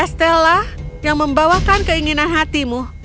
estella yang membawakan keinginan hatimu